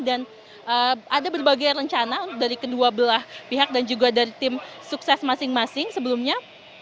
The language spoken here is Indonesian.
dan ada berbagai rencana dari kedua belah pihak dan juga dari tim sukses masing masing sebelumnya